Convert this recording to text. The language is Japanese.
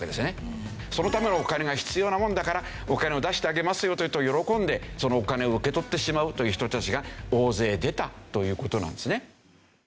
そのためのお金が必要なもんだからお金を出してあげますよというと喜んでそのお金を受け取ってしまうという人たちが大勢出たという事なんですね。